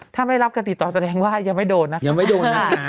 ถ้าไม่รับการติดต่อแสดงว่ายังไม่โดนนะคะยังไม่โดนนะ